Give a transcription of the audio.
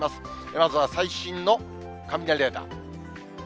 まずは最新の雷レーダー。